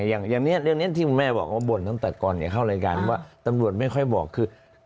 อย่างนี้เรื่องนี้ที่คุณแม่บอกว่าบ่นตั้งแต่ก่อนเข้ารายการว่าตำรวจไม่ค่อยบอกคือ